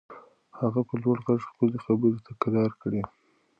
هغه په لوړ غږ خپلې خبرې تکرار کړې.